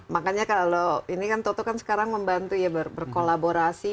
makanya kalau ini kan toto kan sekarang membantu ya berkolaborasi